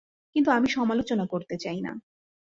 কিন্তু আমি সমালোচনা করতে চাই না।